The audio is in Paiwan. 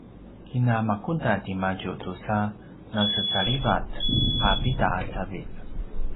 kinamakuda timadju tusa nasecalivat a pida a cavilj